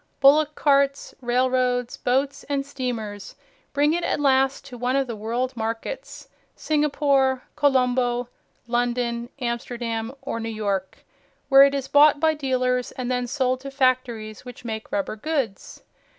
Bullock carts, railroads, boats and steamers bring it at last to one of the world markets, Singapore, Colombo, London, Amsterdam or New York, where it is bought by dealers, and then sold to factories which make rubber goods.